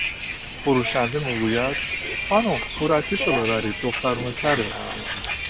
فروشنده میگوید: خانم صورتیشو ببرید دخترونهتره